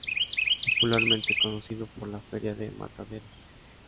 Popularmente conocido por la Feria de Mataderos.